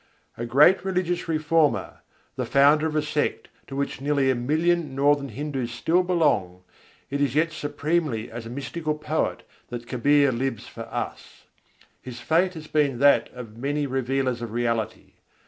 A great religious reformer, the founder of a sect to which nearly a million northern Hindus still belong, it is yet supremely as a mystical poet that Kabîr lives for us. His fate has been that of many revealers of Reality.